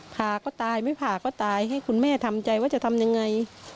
ผ่าก็ตายไม่ผ่าก็ตายให้คุณแม่ทำใจว่าจะทำยังไง